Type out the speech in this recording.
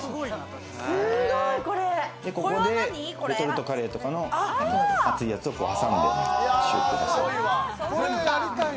ここでレトルトカレーとかの熱いやつを挟んで、シュッと出す。